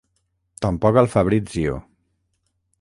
Tampoc al Fabrizio.